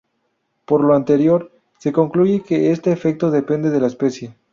Por lo anterior, se concluye que este efecto depende de la especie.